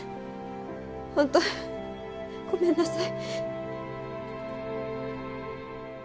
本当ごめんなさい。